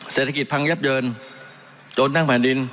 เศรษฐกิจพังยับเยินจนนั่งแผ่นดิน